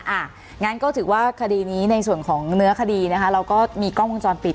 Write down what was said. อ่ะงั้นก็ถือว่าคดีนี้ในส่วนของเนื้อคดีนะคะเราก็มีกล้องวงจรปิด